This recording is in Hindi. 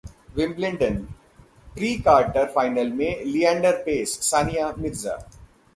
विंबलडन: प्री क्वार्टर फाइनल में लिएंडर पेस, सानिया मिर्जा